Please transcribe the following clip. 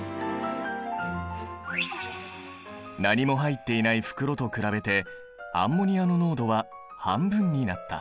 何も入っていない袋と比べてアンモニアの濃度は半分になった。